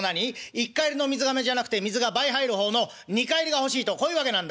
一荷入りの水がめじゃなくて水が倍入る方の二荷入りが欲しいとこういうわけなんだ」。